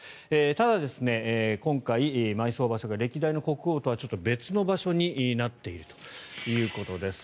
ただ、今回、埋葬場所が歴代の国王とはちょっと別の場所になっているということです。